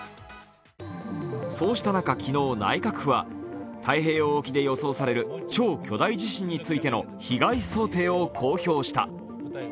そうした中、昨日、内閣府は太平洋沖で予想される超巨大地震についての被害想定を公表した。